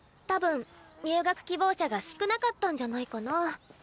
多分入学希望者が少なかったんじゃないかなあ。